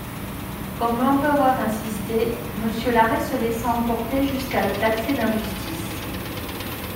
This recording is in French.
Comme l'empereur insistait, Monsieur Larrey se laissa emporter jusqu'à le taxer d'injustice.